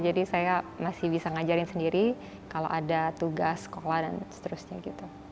jadi saya masih bisa ngajarin sendiri kalau ada tugas sekolah dan seterusnya gitu